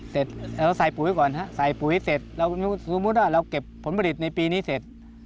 เสร็จเราใส่ปุ๋ยก่อนฮะใส่ปุ๋ยเสร็จเราสมมุติว่าเราเก็บผลผลิตในปีนี้เสร็จ